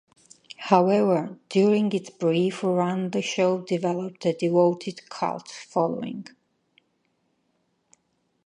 However, during its brief run the show developed a devoted cult following.